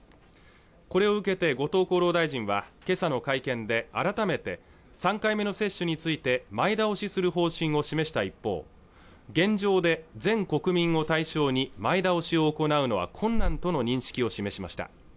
これを受けて後藤厚労大臣はけさの会見で改めて３回目の接種について前倒しする方針を示した一方現状で全国民を対象に前倒しを行うのは困難との認識を示しました